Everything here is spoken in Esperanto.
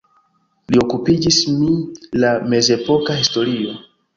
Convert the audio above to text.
Li okupiĝis mi la mezepoka historio.